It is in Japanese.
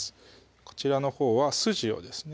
こちらのほうは筋をですね